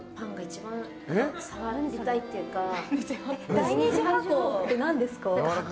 第二次発酵って何ですか？